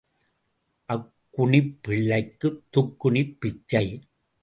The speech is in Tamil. அக்குணிப் பிள்ளைக்குத் துக்குணிப் பிச்சை.